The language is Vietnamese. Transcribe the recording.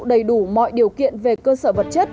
đầy đủ mọi điều kiện về cơ sở vật chất